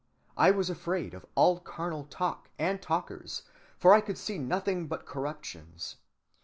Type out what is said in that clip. I was afraid of all carnal talk and talkers, for I could see nothing but corruptions.